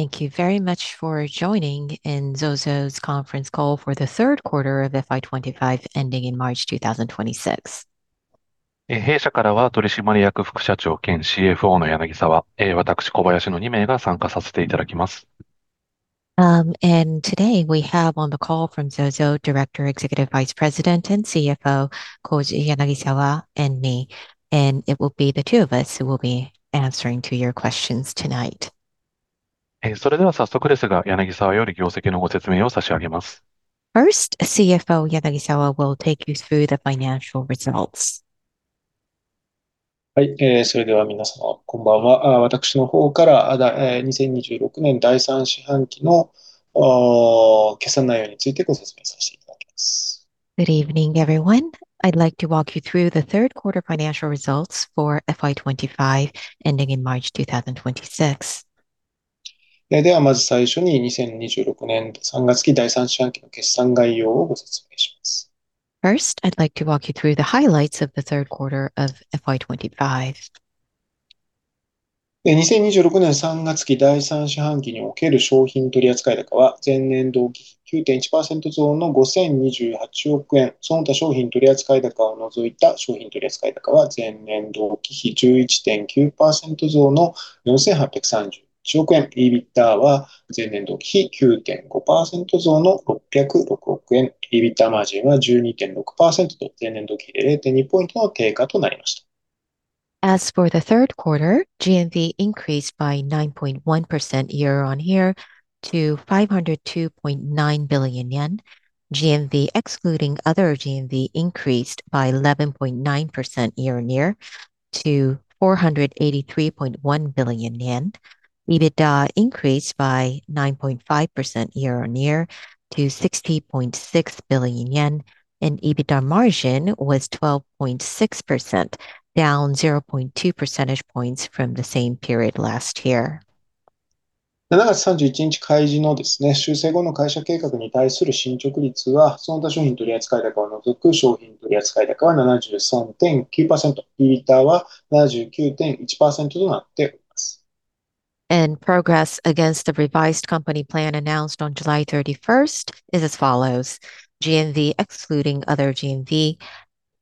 Thank you very much for joining ZOZO's conference call for the third quarter of FY 2025, ending in March 2026. 弊社からは取締役副社長兼CFOの柳澤、私、小林の二名が参加させていただきます。And today we have on the call from ZOZO, Director, Executive Vice President, and CFO Koji Yanagisawa and me, and it will be the two of us who will be answering to your questions tonight. それでは早速ですが、柳澤より業績のご説明を差し上げます。First, CFO Yanagisawa will take you through the financial results. はい、それでは皆様、こんばんは。私の方から、2026年第3四半期の決算内容についてご説明させていただきます。Good evening, everyone. I'd like to walk you through the third quarter financial results for FY 2025, ending in March 2026. では、まず最初に、2026年度3月期第3四半期の決算概要をご説明します。First, I'd like to walk you through the highlights of the third quarter of FY 2025. 2026年3月期第3四半期における商品取扱高は、前年同期比9.1%増の5,028億円。その他商品取扱高を除いた商品取扱高は、前年同期比11.9%増の4,831億円。EBITDAは、前年同期比9.5%増の606億円。EBITDAマージンは12.6%と、前年同期0.2ポイントの低下となりました。As for the third quarter, GMV increased by 9.1% year on year to ¥502.9 billion. GMV, excluding other GMV, increased by 11.9% year on year to ¥483.1 billion. EBITDA increased by 9.5% year on year to ¥60.6 billion, and EBITDA margin was 12.6%, down 0.2 percentage points from the same period last year. 7月31日開示ですね、修正後の会社計画に対する進捗率は、その他商品取扱高を除く商品取扱高は73.9%、EBITDAは79.1%となっております。Progress against the revised company plan announced on July 31st is as follows: GMV, excluding other GMV,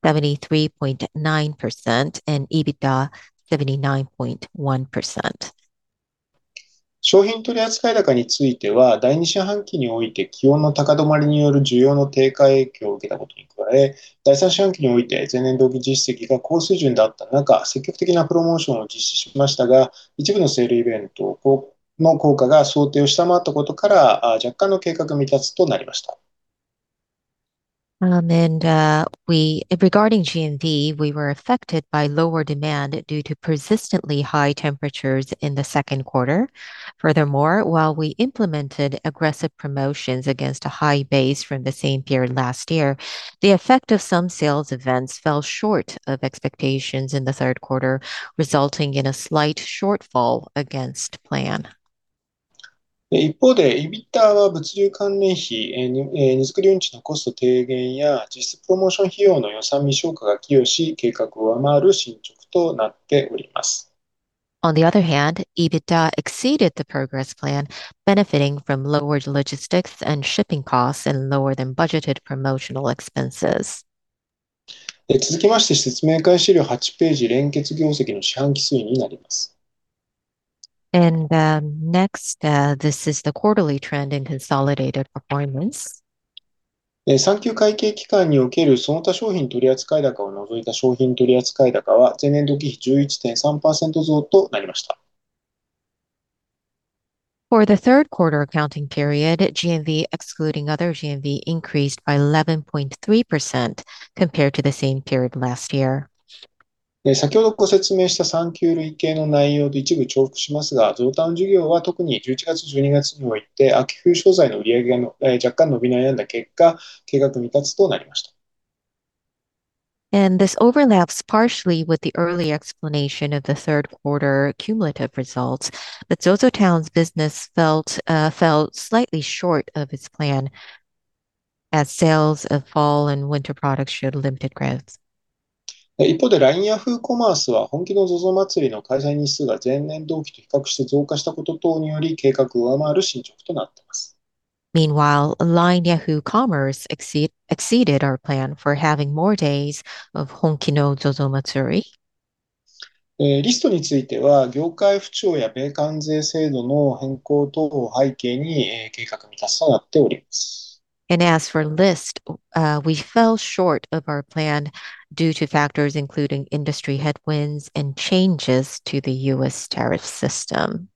73.9%, and EBITDA, 79.1%. Regarding GMV, we were affected by lower demand due to persistently high temperatures in the second quarter. Furthermore, while we implemented aggressive promotions against a high base from the same period last year, the effect of some sales events fell short of expectations in the third quarter, resulting in a slight shortfall against plan. 一方で、EBITDAは物流関連費、荷造運賃のコスト低減や実施プロモーション費用の予算未消化が寄与し、計画上回る進捗となっております。On the other hand, EBITDA exceeded the progress plan, benefiting from lowered logistics and shipping costs, and lower than budgeted promotional expenses. え、続きまして、説明会資料8ページ、連結業績の四半期推移になります。Next, this is the quarterly trend in consolidated performance. え、第3級会計期間におけるその他商品取扱高を除いた商品取扱高は、前年同期比11.3%増となりました。For the third quarter accounting period, GMV, excluding other GMV, increased by 11.3% compared to the same period last year. 先ほどご説明した第三四半期累計の内容と一部重複しますが、ZOZOTOWN事業は、特に11月、12月において、秋冬商材の売上が若干伸び悩んだ結果、計画未達となりました。This overlaps partially with the early explanation of the third quarter cumulative results. But ZOZOTOWN's business fell slightly short of its plan, as sales of fall and winter products showed limited growth. 一方で、LINE Yahoo! Commerceは、本期のZOZO祭りの開催日数が前年同期と比較して増加したこと等により、計画を上回る進捗となっています。Meanwhile, LINE Yahoo! Commerce exceeded our plan for having more days of Honki no ZOZOMATSURI. え、Listについては、業界不調や米関税制度の変更等を背景に、え、計画未達となっております。As for List, we fell short of our plan due to factors including industry headwinds and changes to the U.S. tariff system.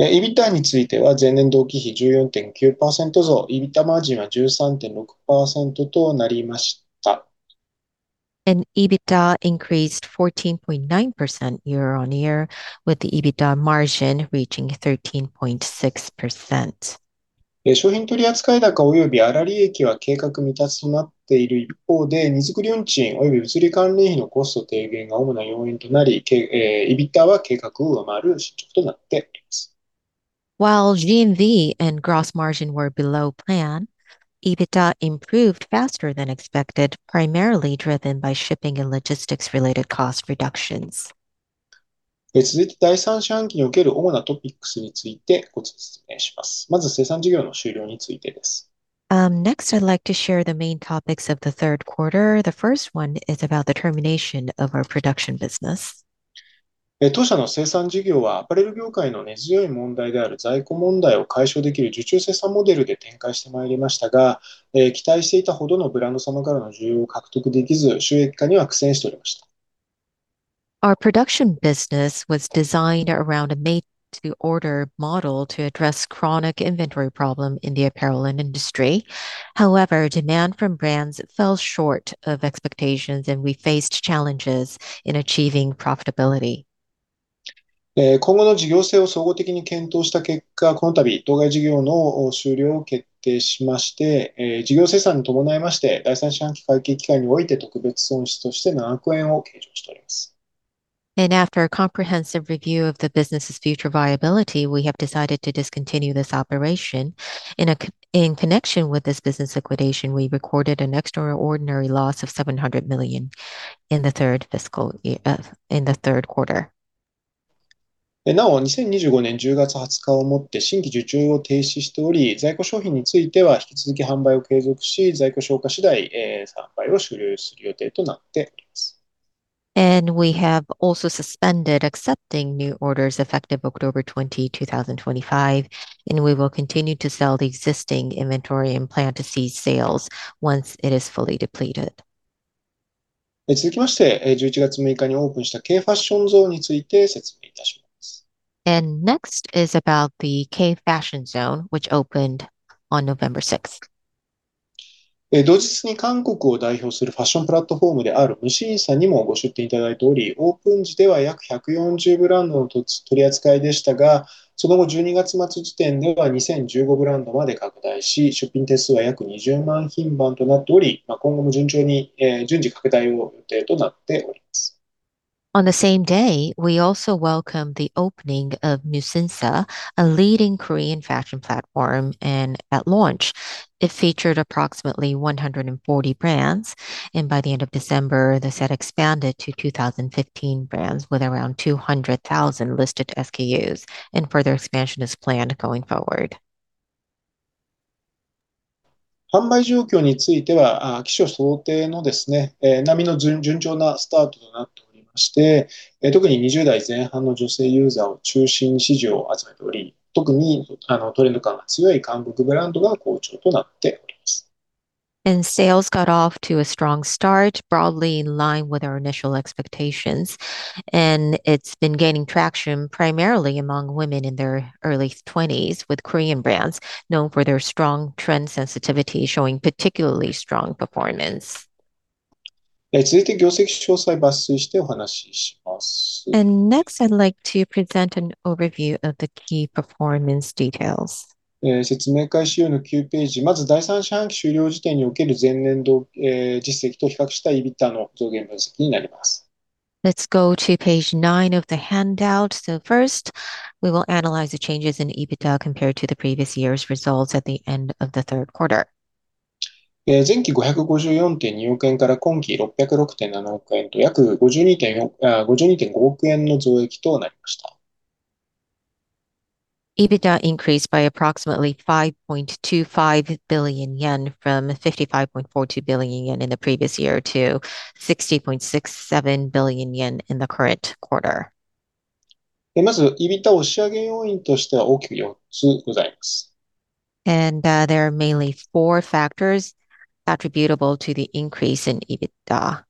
EBITDAについては、前年同期比14.9%増、EBITDAマージンは13.6%となりました。EBITDA increased 14.9% year on year, with the EBITDA margin reaching 13.6%. 商品取扱高および粗利益は計画未達となっている一方で、荷造運賃および物流関連費のコスト低減が主な要因となり、EBITDAは計画を上回る進捗となっております。While GMV and gross margin were below plan, EBITDA improved faster than expected, primarily driven by shipping and logistics related cost reductions. 続いて、第3四半期における主なトピックスについてご説明します。まず、生産事業の終了についてです。Next, I'd like to share the main topics of the third quarter. The first one is about the termination of our production business. 当社の生産事業は、アパレル業界の根強い問題である在庫問題を解消できる受注生産モデルで展開してまいりましたが、期待していたほどのブランド様からの需要を獲得できず、収益化には苦戦しております。Our production business was designed around a made-to-order model to address chronic inventory problems in the apparel industry. However, demand from brands fell short of expectations, and we faced challenges in achieving profitability. 今後の事業性を総合的に検討した結果、この度当該事業の終了を決定しまして、事業清算に伴いまして、第3四半期会計期間において特別損失として7億円を計上しております。After a comprehensive review of the business's future viability, we have decided to discontinue this operation. In connection with this business liquidation, we recorded an extraordinary loss of ¥700 million in the third quarter. なお、2025年10月20日をもって新規受注を停止しており、在庫商品については引き続き販売を継続し、在庫消化次第、販売を終了する予定となっております。We have also suspended accepting new orders effective October 20, 2025, and we will continue to sell the existing inventory and plan to cease sales once it is fully depleted. 続きまして、11月6日にオープンしたKファッションゾーンについて説明いたします。Next is about the K-Fashion Zone, which opened on November 6th. On the same day, we also welcomed the opening of Musinsa, a leading Korean fashion platform, and at launch, it featured approximately 140 brands, and by the end of December, the set expanded to 2,015 brands, with around 200,000 listed SKUs, and further expansion is planned going forward. 販売状況については、期初想定の並みの順調なスタートとなっており、特に二十代前半の女性ユーザーを中心に支持を集めており、特に、トレンド感が強い韓国ブランドが好調となっております。Sales got off to a strong start, broadly in line with our initial expectations, and it's been gaining traction primarily among women in their early twenties, with Korean brands known for their strong trend sensitivity, showing particularly strong performance. え、続いて業績詳細抜粋してお話しします。Next, I'd like to present an overview of the key performance details. え、説明会資料の9ページ。まず、第3四半期終了時点における前年度、え、実績と比較したEBITDAの増減分析になります。Let's go to page nine of the handout. First, we will analyze the changes in EBITDA compared to the previous year's results at the end of the third quarter. 前期554.2億円から今期606.7億円と、約52.5億円の増益となりました。EBITDA increased by approximately 5.25 billion yen from ¥55.42 billion in the previous year to ¥60.67 billion in the current quarter. まず、EBITDA押し上げ要因としては大きく四つございます。There are mainly four factors attributable to the increase in EBITDA.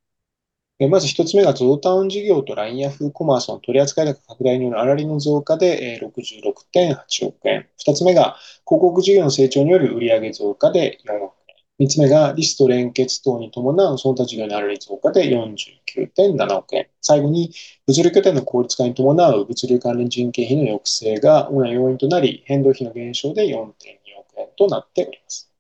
まず一つ目が、ZOZOタウン事業とLINEヤフーコマースの取り扱い額拡大による粗利の増加で、66.8億円。二つ目が、広告事業の成長による売上増加で7億円。三つ目が、リスト連結等に伴うその他事業の粗利増加で49.7億円。最後に、物流拠点の効率化に伴う物流関連人件費の抑制が主な要因となり、変動費の減少で¥4.2億円となっております。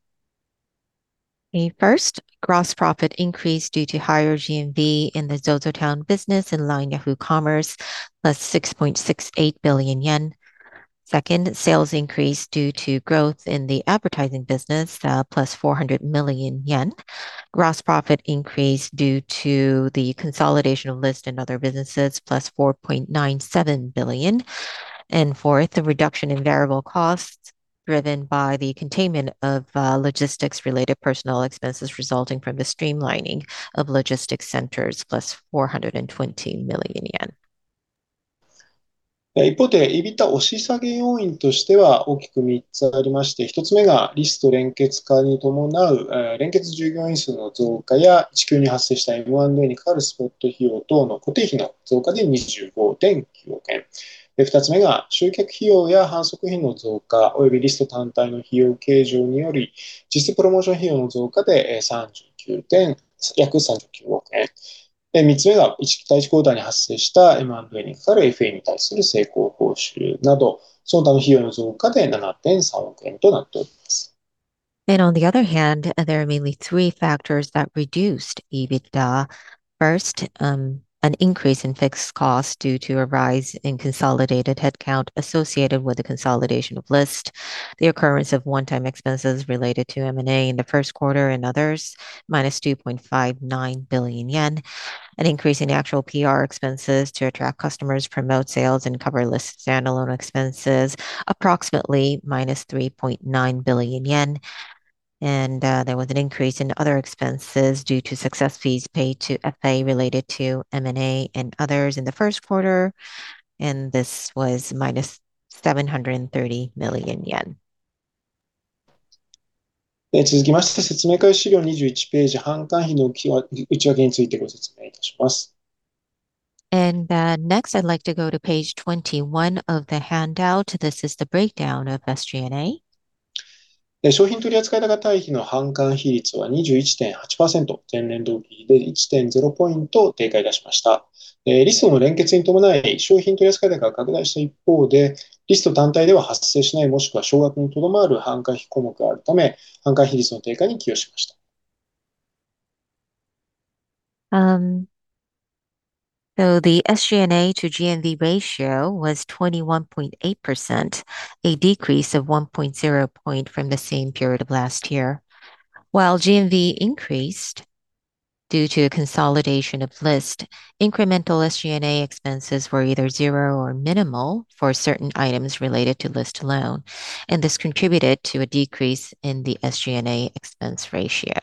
First, gross profit increased due to higher GMV in the ZOZOTOWN business and Line Yahoo! Commerce, plus ¥6.68 billion. Second, sales increased due to growth in the advertising business, plus ¥400 million. Third, gross profit increased due to the consolidation of List and other businesses, plus ¥4.97 billion. Fourth, the reduction in variable costs driven by the containment of logistics-related personnel expenses resulting from the streamlining of logistics centers, plus ¥420 million. 一方で、EBITDA押し下げ要因としては大きく三つありまして、一つ目がリスト連結化に伴う連結従業員数の増加や一挙に発生したM&Aに係るスポット費用等の固定費の増加で25.9億円。二つ目が、集客費用や販促費の増加およびリスト単体の費用計上により、実質プロモーション費用の増加で約39億円。え、三つ目が、第一四半期に発生したM&Aに係るFAに対する成功報酬など、その他の費用の増加で7.3億円となっております。On the other hand, there are mainly three factors that reduced EBITDA. First, an increase in fixed costs due to a rise in consolidated headcount associated with the consolidation of List, the occurrence of one-time expenses related to M&A in the first quarter, and others minus ¥2.59 billion. An increase in actual PR expenses to attract customers, promote sales and cover List standalone expenses approximately minus ¥3.9 billion. There was an increase in other expenses due to success fees paid to FA related to M&A and others in the first quarter, and this was minus ¥730 million. 继续解释，说明二十一页半刊费的内容。Next, I'd like to go to page twenty-one of the handout. This is the breakdown of SG&A. So the SG&A to GMV ratio was 21.8%, a decrease of 1.0% from the same period of last year. While GMV increased due to a consolidation of List, incremental SG&A expenses were either zero or minimal for certain items related to List alone, and this contributed to a decrease in the SG&A expense ratio.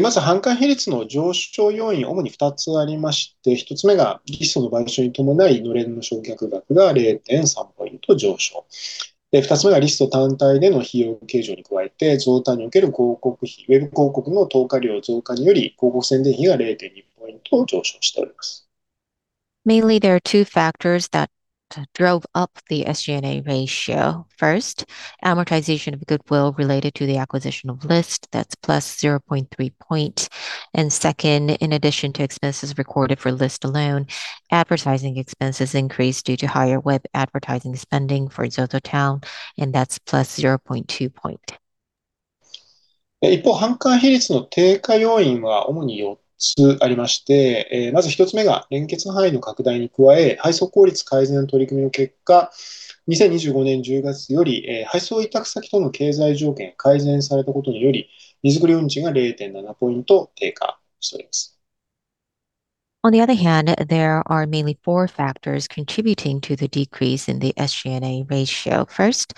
まず、販管費率の上昇要因は主に二つありまして、一つ目がリストの買収に伴いのれんの償却額が0.3ポイント上昇。二つ目がリスト単体での費用計上に加えて、増担における広告費、ウェブ広告の投下量増加により、広告宣伝費が0.2ポイント上昇しております。Mainly, there are two factors that drove up the SG&A ratio. First, amortization of goodwill related to the acquisition of List. That's plus 0.3%. Second, in addition to expenses recorded for List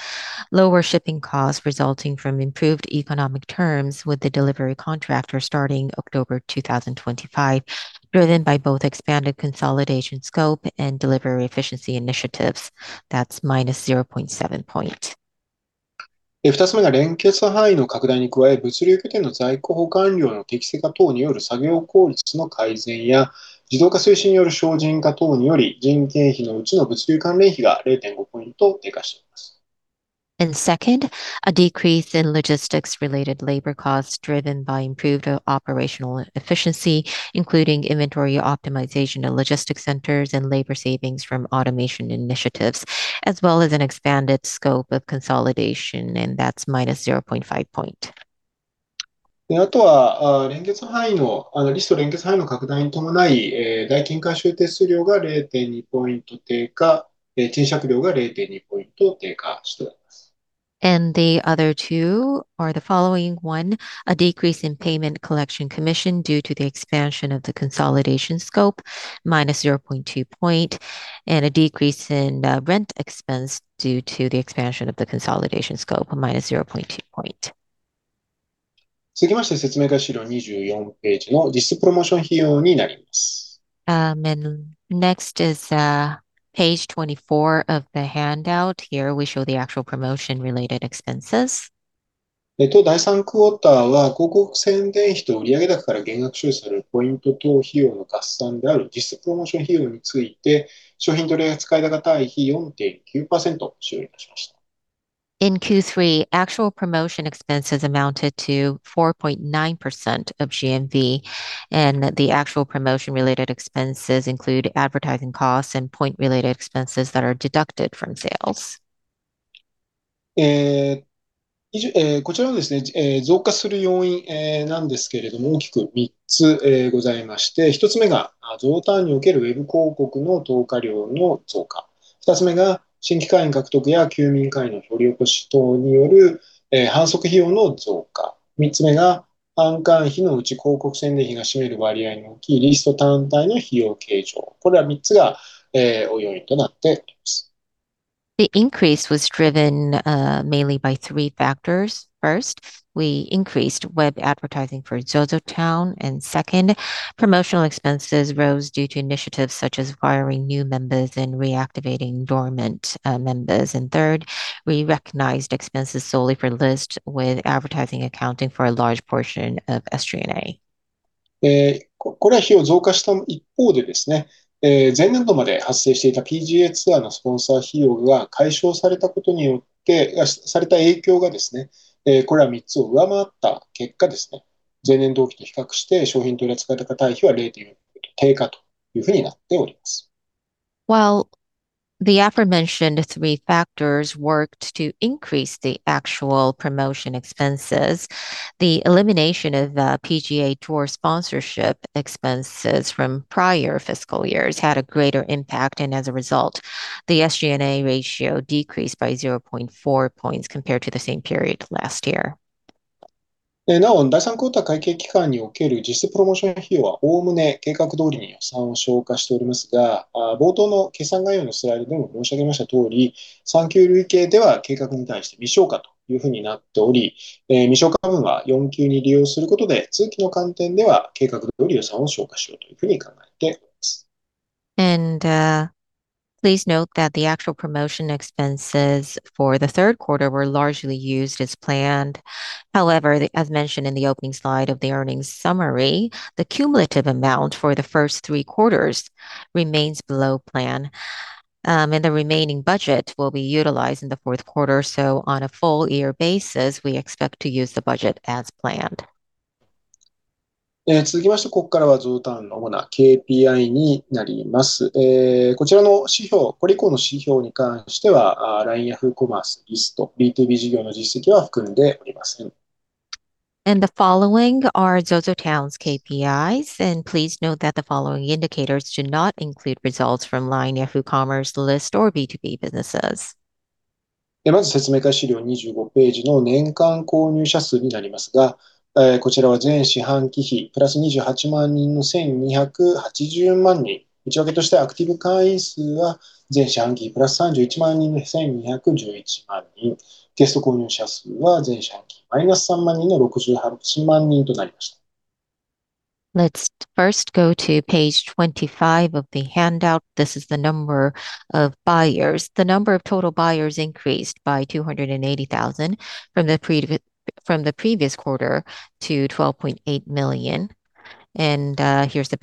alone, advertising expenses increased due to higher web advertising spending for ZOZOTOWN, related expenses that are deducted from sales. The increase was driven mainly by three factors. First, we increased web advertising for ZOZOTOWN, and second, promotional expenses rose due to initiatives such as acquiring new members and reactivating dormant members. And third, we recognized expenses solely for list, with advertising accounting for a large portion of SG&A. え、これは費用増加した一方でですね、前年度まで発生していたPGAツアーのスポンサー費用が解消されたことによってされた影響がですね、これは三つを上回った結果ですね。前年同期と比較して商品取扱高対比は零点低下というふうになっております。While the aforementioned three factors worked to increase the actual promotion expenses, the elimination of PGA Tour sponsorship expenses from prior fiscal years had a greater impact, and as a result, the SG&A ratio decreased by 0.4 points compared to the same period last year. Please note that the actual promotion expenses for the third quarter were largely used as planned. However, as mentioned in the opening slide of the earnings summary, the cumulative amount for the first three quarters remains below plan, and the remaining budget will be utilized in the fourth quarter. So on a full year basis, we expect to use the budget as planned. The following are ZOZOTOWN's KPIs, and please note that the following indicators do not include results from LINE Yahoo! Commerce, LOHACO, or B2B businesses. Let's first go to page twenty-five of the handout. This is the number of buyers. The number of total buyers increased by 280,000 from the previous quarter to 12.8 million. Here's the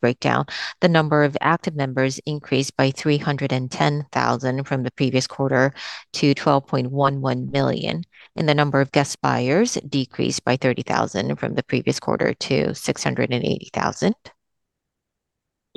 breakdown. The number of active members increased by 310,000 from the previous quarter to 12.11 million, and the number of guest buyers decreased by 30,000 from the previous quarter to 680,000.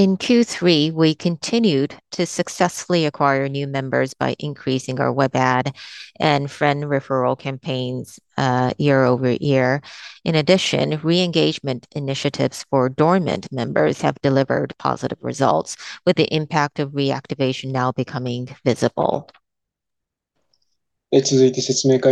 In Q3, we continued to successfully acquire new members by increasing our web ad and friend referral campaigns year over year. In addition, re-engagement initiatives for dormant members have delivered positive results, with the impact of reactivation now becoming visible. Moving on to page twenty-eight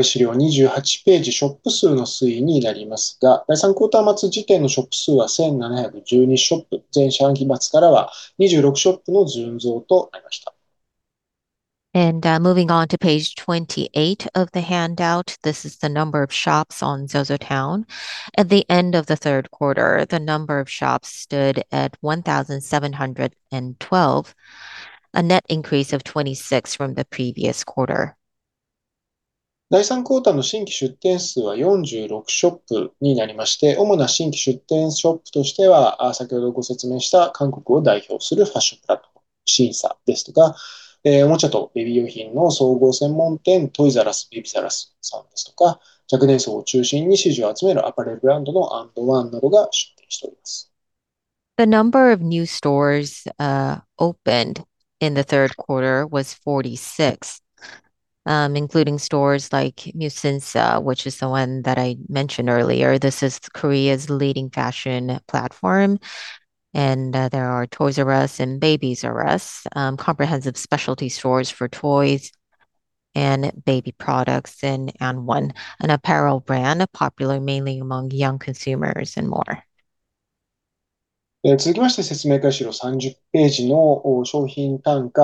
of the handout, this is the number of shops on ZOZOTOWN. At the end of the third quarter, the number of shops stood at 1,712, a net increase of 26 from the previous quarter. The number of new stores opened in the third quarter was 46, including stores like Musinsa, which is the one that I mentioned earlier. This is Korea's leading fashion platform, and there are Toys R Us and Babies R Us, comprehensive specialty stores for toys and baby products, the number of new stores, an apparel brand popular mainly among young consumers and more. Let's now go to page thirty and thirty-one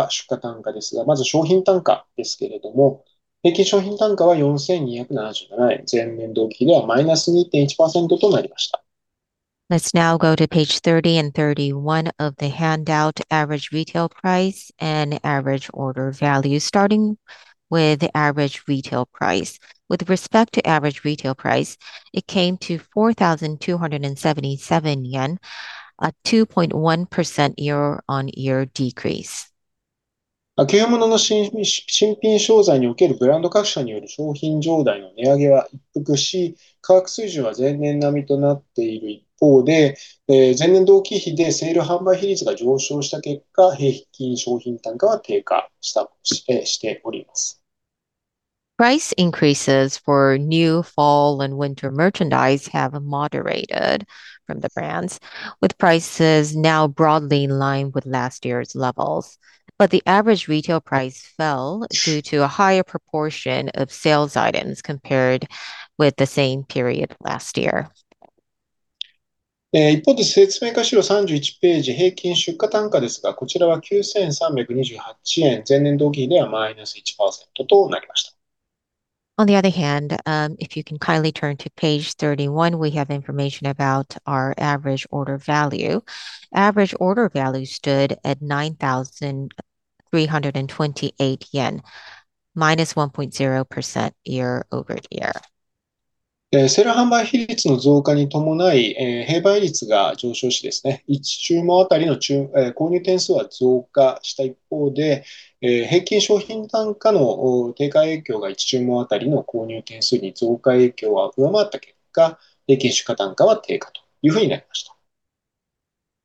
of the handout, average retail price and average order value, starting with average retail price. With respect to average retail price, it came to ¥4,277, a 2.1% year-on-year decrease. Price increases for new fall and winter merchandise have moderated from the brands, with prices now broadly in line with last year's levels. But the average retail price fell due to a higher proportion of sales items compared with the same period last year. On the other hand, if you can kindly turn to page thirty-one, we have information about our average order value. Average order value stood at ¥9,328, minus 1.0% year over year. セル販売比率の増加に伴い、併売率が上昇しですね。一週間あたりの購入点数は増加した一方で、平均商品単価の低下影響が一週間あたりの購入点数の増加影響を上回った結果、平均出荷単価は低下というふうになりました。The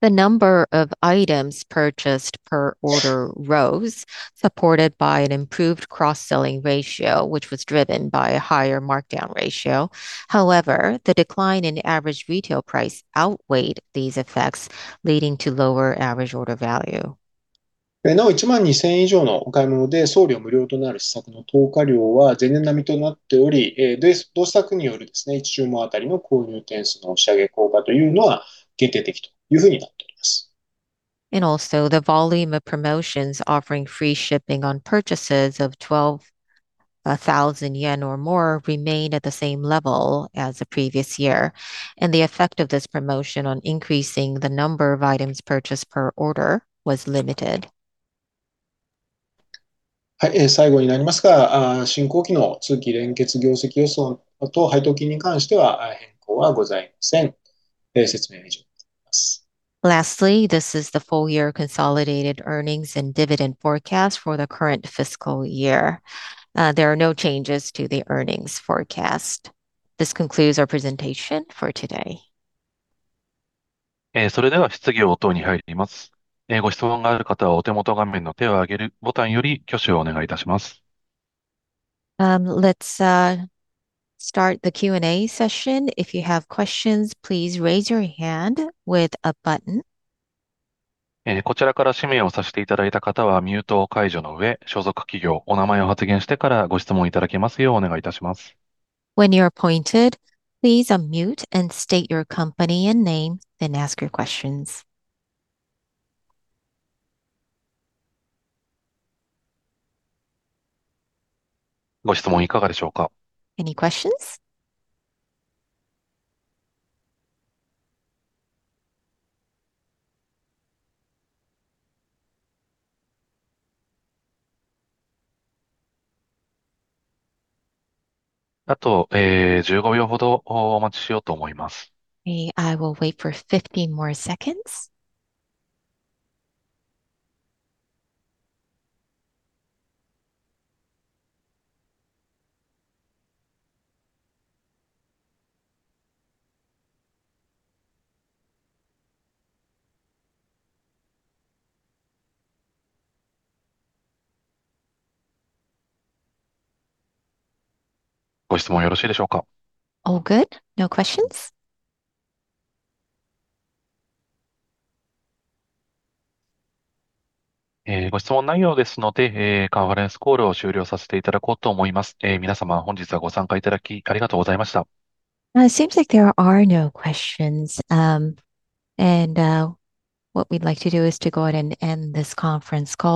number of items purchased per order rose, supported by an improved cross-selling ratio, which was driven by a higher markdown ratio. However, the decline in average retail price outweighed these effects, leading to lower average order value. なお、一万二千以上のお買い物で送料無料となる施策の投下量は前年並みとなっており、当施策によるですね、一週間あたりの購入点数の押し上げ効果というのは限定的というふうになっております。Also, the volume of promotions offering free shipping on purchases of ¥12,000 or more remained at the same level as the previous year, and the effect of this promotion on increasing the number of items purchased per order was limited. はい、え、最後になりますが、あ、進行期の通期連結業績予想と配当金に関しては変更はございません。え、説明は以上になります。Lastly, this is the full year consolidated earnings and dividend forecast for the current fiscal year. There are no changes to the earnings forecast. This concludes our presentation for today. それでは質疑応答に入ります。ご質問がある方はお手元画面の手を上げるボタンより挙手をお願いいたします。Let's start the Q&A session. If you have questions, please raise your hand with a button. え、こちらから指名をさせていただいた方はミュートを解除の上、所属企業、お名前を発言してからご質問いただけますようお願いいたします。When you're appointed, please unmute and state your company and name, then ask your questions. ご質問いかがでしょうか？ Any questions? あと、え、十五秒ほどお待ちしようと思います。I will wait for fifteen more seconds. ご質問よろしいでしょうか？ All good? No questions. え、ご質問ないようですので、え、カンファレンスコールを終了させていただこうと思います。え、皆様、本日はご参加いただきありがとうございました。It seems like there are no questions, and what we'd like to do is to go ahead and end this conference call.